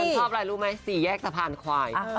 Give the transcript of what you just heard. ฉันชอบอะไรรู้มั้ย๔แยกสะพานควาย